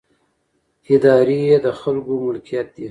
ادارې د خلکو ملکیت دي